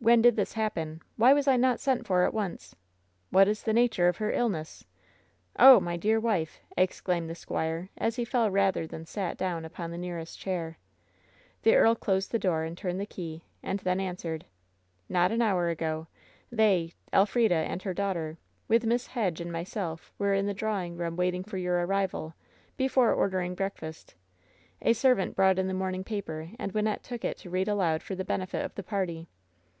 "When did this happen? Why was I not sent for at once? What is the nature of her illness? Oh, my dear wife!" exclaimed the squire, as he fell rather than sat down upon the nearest chair. The earl closed the door and turned the key, and then answered: "Not an hour ago! They — Elfrida and her daughter, with Miss Hedge and myself — were in the drawing room waiting for your arrival before ordering breakfast. A servant brought in the morning paper, and Wynnette took it to read aloud for the benefit of the party.